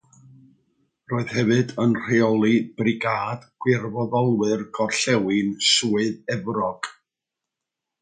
Roedd hefyd yn rheoli Brigâd Gwirfoddolwyr Gorllewin Swydd Efrog.